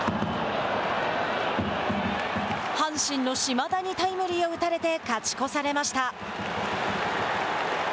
阪神の島田にタイムリーを打たれて勝ち越されました。